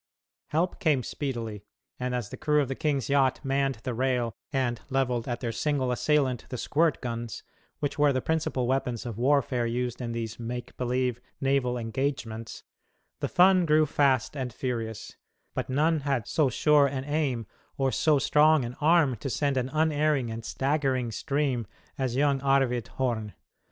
Help came speedily, and as the crew of the king's yacht manned the rail and levelled at their single assailant the squirt guns, which were the principal weapons of warfare used in these "make believe" naval engagements, the fun grew fast and furious; but none had so sure an aim or so strong an arm to send an unerring and staggering stream as young Arvid Horn.